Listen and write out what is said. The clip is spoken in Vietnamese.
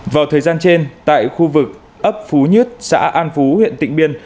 vào thời gian trên tại khu vực ấp phú nhất xã an phú huyện tịnh biên